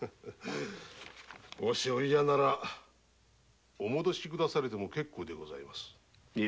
お嫌ならお戻し下されても結構でございます。